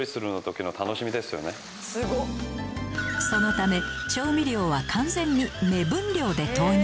そのため調味料は完全に目分量で投入